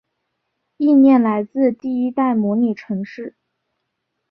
意念来自第一代模拟城市。